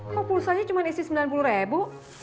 kok pulsanya cuma isi sembilan puluh ribu